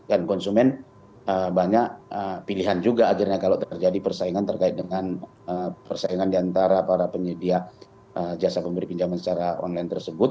dan konsumen banyak pilihan juga akhirnya kalau terjadi persaingan terkait dengan persaingan diantara para penyedia jasa pemberi pinjaman secara online tersebut